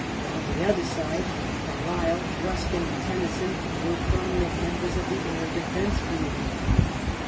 On the other side Carlyle, Ruskin, and Tennyson were prominent members of the Eyre Defence Committee.